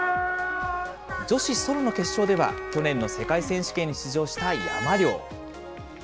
女子ソロの決勝では、去年の世界選手権に出場した山領。